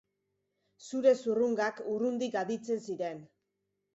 Zure zurrungak urrundik aditzen ziren.